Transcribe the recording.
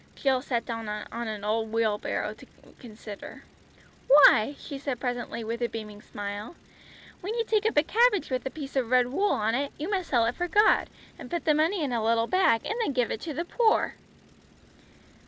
Jill sat down on an old wheelbarrow to consider. "Why," she said presently with a beaming smile, "when you take up a cabbage with a piece of red wool on it, you must sell it for God, and put the money in a little bag, and then give it to the poor."